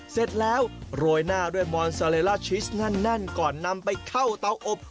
เสร็จแล้วโรยหน้าด้วยมอนซาเลล่าชีสแน่นก่อนนำไปเข้าเตาอบ